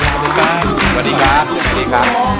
เชิญกันสวัสดีครับคุณโต้ง